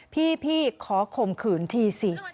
พี่ขอข่มขืนทีสิ